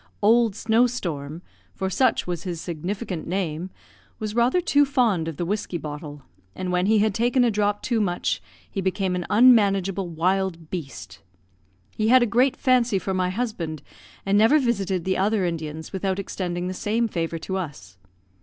Old Snow storm, for such was his significant name, was rather too fond of the whiskey bottle, and when he had taken a drop too much, he became an unmanageable wild beast. He had a great fancy for my husband, and never visited the other Indians without extending the same favour to us.